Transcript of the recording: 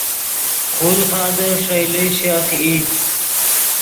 خولخادے ݰئیلے شیخ ای